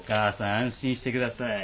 安心してください。